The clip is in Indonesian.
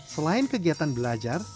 selain kegiatan belajar